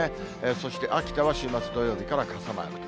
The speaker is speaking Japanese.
そして、秋田は週末土曜日から傘マークと。